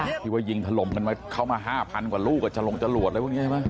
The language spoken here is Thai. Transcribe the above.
หรือว่ายิงถล่มกันไหมเข้ามา๕พันกว่าลูกก็จะลงจะหลวดอะไรพวกนี้ใช่ไหม